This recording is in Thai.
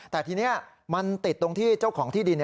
แต่ทีนี้มันติดตรงที่เจ้าของที่ดิน